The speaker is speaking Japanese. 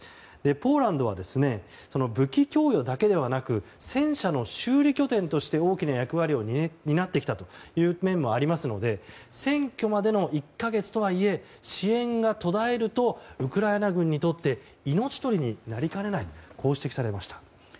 ポーランドは武器供与だけではなく戦車の修理拠点として大きな役割を担ってきたという面もありますので選挙までの１か月とはいえ支援が途絶えるとウクライナ軍にとって命取りになりかねないと指摘されました。